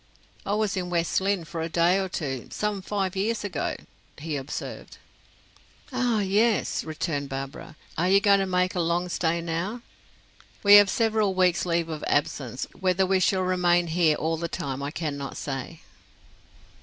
"I was in West Lynne for a day or two, some five years ago," he observed. "Ah yes," returned Barbara. "Are you going to make a long stay now?" "We have several weeks' leave of absence. Whether we shall remain here all the time I cannot say."